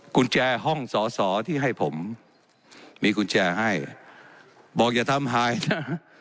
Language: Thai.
กุญแจห้องสอสอที่ให้ผมมีกุญแจให้บอกอย่าทำหายนะ